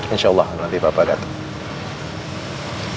insya allah nanti papa datang